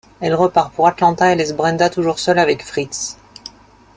Elle repart pour Atlanta et laisse Brenda toujours seule avec Fritz.